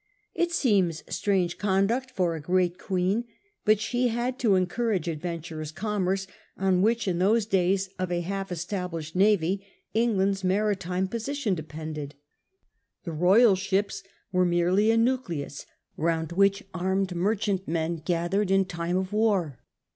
It seems strange conduct for a great Queen, but she had to encourage adventurous commerce, on which, in those days of a half established navy, England's maritime position depended. The royal ships were merely a nucleus round which armed merchantmen gathered in time of war.